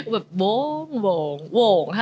แบบโหงโหงโหง